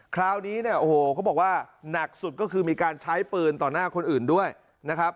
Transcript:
คราวนี้เนี่ยโอ้โหเขาบอกว่าหนักสุดก็คือมีการใช้ปืนต่อหน้าคนอื่นด้วยนะครับ